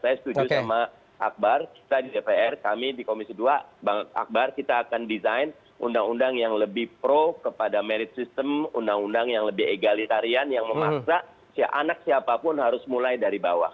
saya setuju sama akbar kita di dpr kami di komisi dua bang akbar kita akan desain undang undang yang lebih pro kepada merit system undang undang yang lebih egalitarian yang memaksa si anak siapapun harus mulai dari bawah